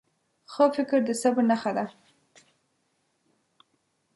ښه فکر د صبر نښه ده.